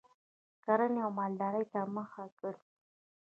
کرنې او مالدارۍ ته مخه کړي